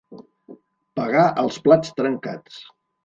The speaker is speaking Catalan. Pagar els plats trencats.